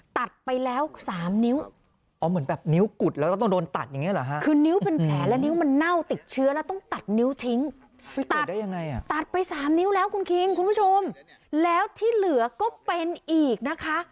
ตัดไป๓นิ้วแล้วคุณคิงคุณผู้ชมแล้วที่เหลือก็เป็นอีกนะคะ